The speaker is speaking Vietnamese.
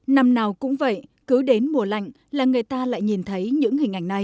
năm nào cũng vậy cứ đến mùa lạnh là người ta lại nhìn thấy những hình ảnh này